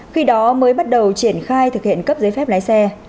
khi đó mới bắt đầu triển khai thực hiện cấp giấy phép lái xe